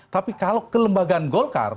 tapi kalau kelembagaan golkar